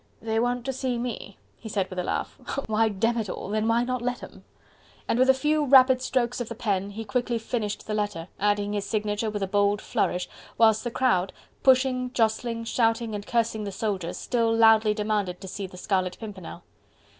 "They want to see me," he said with a laugh. "Why, demn it all... then, why not let em?..." And with a few rapid strokes of the pen, he quickly finished the letter, adding his signature with a bold flourish, whilst the crowd, pushing, jostling, shouting and cursing the soldiers, still loudly demanded to see the Scarlet Pimpernel.